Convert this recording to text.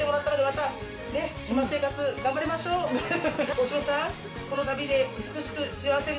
大島さん。